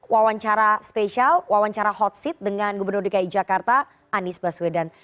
wawancara spesial wawancara hot seat dengan gubernur dki jakarta anies baswedan